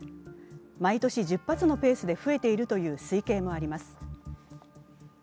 毎年１０発のペースで増えているという推計もあります。